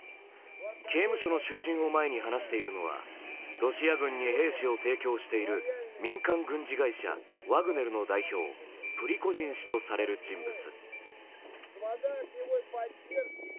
刑務所の囚人を前に話しているのはロシア軍に兵士を提供している民間軍事会社・ワグネルの代表プリコジン氏とされる人物。